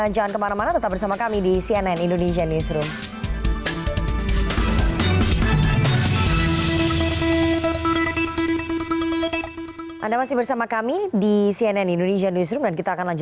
jangan kemana mana tetap bersama kami di cnn indonesian newsroom